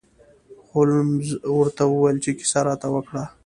هولمز ورته وویل چې کیسه راته وکړه.